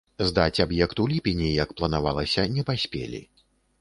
Здаць аб'ект у ліпені, як планавалася, не паспелі.